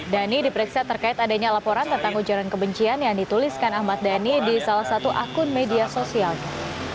dhani diperiksa terkait adanya laporan tentang ujaran kebencian yang dituliskan ahmad dhani di salah satu akun media sosialnya